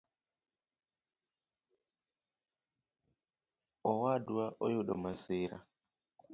Owadwa oyudo masira